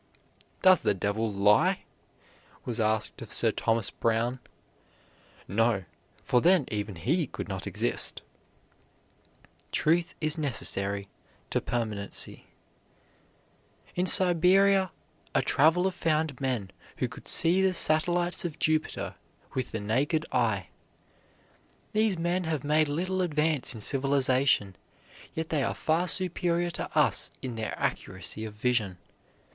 "Does the devil lie?" was asked of Sir Thomas Browne. "No, for then even he could not exist." Truth is necessary to permanency. In Siberia a traveler found men who could see the satellites of Jupiter with the naked eye. These men have made little advance in civilization, yet they are far superior to us in their accuracy of vision.